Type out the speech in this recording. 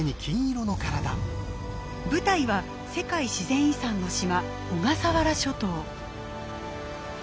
舞台は世界自然遺産の島小笠原諸島。